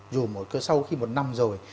dù sau khi một năm rồi